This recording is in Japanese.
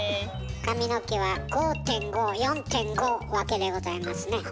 髪の毛は５．５４．５分けでございますね。